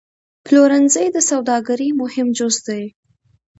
پلورنځی د سوداګرۍ مهم جز دی.